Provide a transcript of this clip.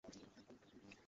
আমার পোড়া কপালের দোষ এটা।